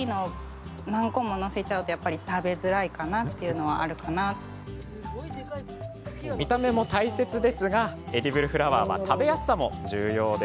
私が作った見た目も大切ですがエディブルフラワーは食べやすさも重要。